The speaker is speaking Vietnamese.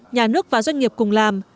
nhà nước và doanh nghiệp cùng làm